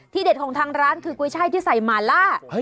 เด็ดของทางร้านคือกุ้ยช่ายที่ใส่หมาล่า